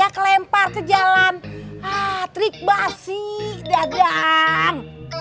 kempar ke jalan trik basi dadam